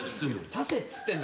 させっつってんの。